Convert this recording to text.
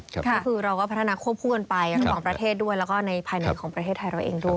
ก็คือเราก็พัฒนาควบคู่กันไประหว่างประเทศด้วยแล้วก็ในภายในของประเทศไทยเราเองด้วย